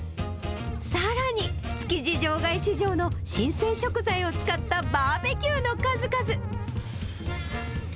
さらに、築地場外市場の新鮮食材を使ったバーベキューの数々。